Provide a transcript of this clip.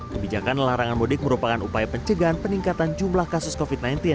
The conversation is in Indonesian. kebijakan larangan mudik merupakan upaya pencegahan peningkatan jumlah kasus covid sembilan belas